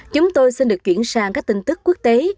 chúng tôi xin được chuyển sang các tin tức quốc tế